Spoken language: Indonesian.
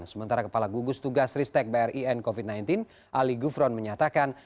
sementara kepala gugus tugas ristek brin covid sembilan belas ali gufron menyatakan